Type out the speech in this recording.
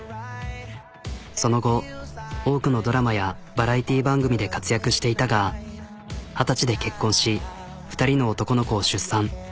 その後多くのドラマやバラエティー番組で活躍していたが二十歳で結婚し２人の男の子を出産。